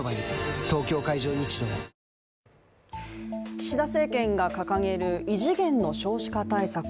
岸田政権が掲げる異次元の少子化対策。